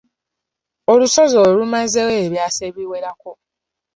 Olusozi olwo lumazeewo ebyasa ebiwerako.